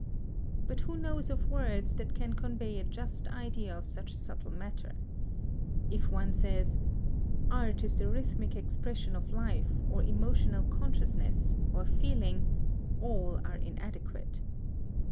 But who knows of words that can convey a just idea of such subtle matter? If one says "Art is the rhythmic expression of Life, or emotional consciousness, or feeling," all are inadequate.